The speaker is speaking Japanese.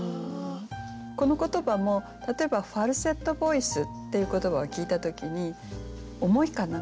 この言葉も例えば「ファルセットボイス」っていう言葉を聞いた時に重いかな？